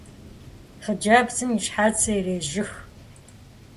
Хъыджэбзым и щхьэцыр ирежьых.